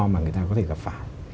mà người ta có thể gặp phải